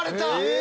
え⁉